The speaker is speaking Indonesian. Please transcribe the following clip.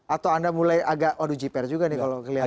atau anda mulai agak waduhjipare juga nih kalau kelihatan